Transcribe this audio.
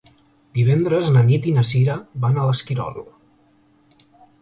Divendres na Nit i na Cira van a l'Esquirol.